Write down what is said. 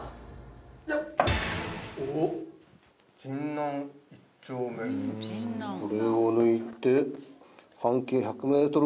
これを抜いて。